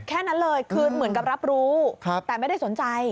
แค่นั้นเลยคือเหมือนกับรับรู้แต่ไม่ได้สนใจ